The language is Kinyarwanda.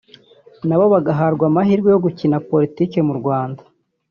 nabo bagahabwa amahirwe yo gukina politique mu Rwanda